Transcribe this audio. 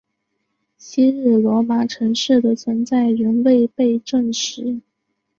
昔日罗马城市的存在仍未被证实。